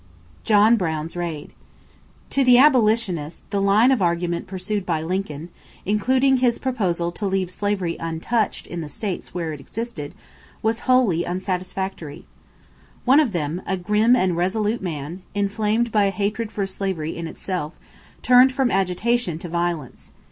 =John Brown's Raid.= To the abolitionists the line of argument pursued by Lincoln, including his proposal to leave slavery untouched in the states where it existed, was wholly unsatisfactory. One of them, a grim and resolute man, inflamed by a hatred for slavery in itself, turned from agitation to violence.